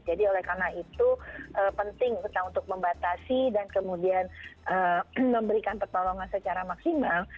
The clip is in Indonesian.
oleh karena itu penting kita untuk membatasi dan kemudian memberikan pertolongan secara maksimal